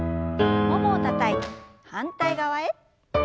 ももをたたいて反対側へ。